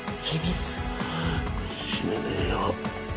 死ねねえよ。